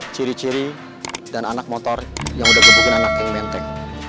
ciri ciri dan anak motor yang udah gebungin anak yang menteng